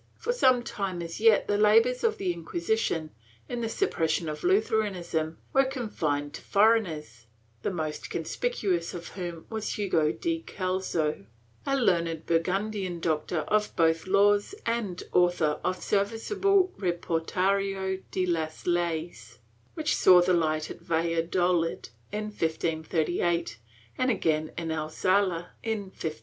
For some time as yet the labors of the Inquisition, in the sup pression of Lutheranism, were confined to foreigners, the most conspicuous of whom was Hugo de Celso, a learned Burgundian doctor of both laws and author of a serviceable Reportorio de las Leyes, which saw the Hght at Valladolid in 1538 and again at Alcala in 1540.